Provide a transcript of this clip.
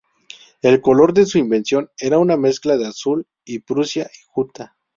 El color de su invención era una mezcla de azul de Prusia y guta.